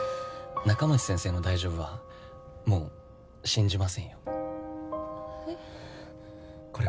仲町先生の「大丈夫」はもう信じませんよはい？